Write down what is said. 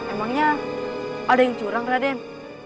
emangnya ada yang curang raden